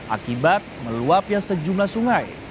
akibat meluapnya sejumlah sungai